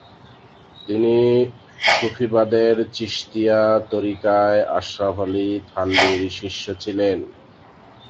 তিনি সুফিবাদের চিশতিয়া তরিকায় আশরাফ আলী থানভীর শিষ্য ছিলেন।